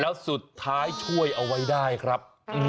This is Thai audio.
แล้วสุดท้ายช่วยเอาไว้ได้ครับ